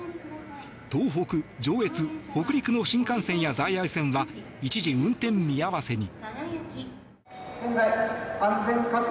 東北、上越、北陸の新幹線や在来線は一時運転見合わせに。